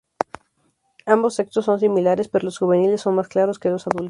Ambos sexos son similares, pero los juveniles son más claros que los adultos.